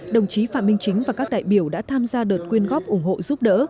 đồng chí phạm minh chính và các đại biểu đã tham gia đợt quyên góp ủng hộ giúp đỡ